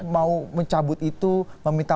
mau mencabut itu meminta